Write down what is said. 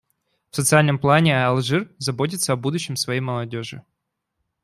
В социальном плане Алжир заботится о будущем своей молодежи.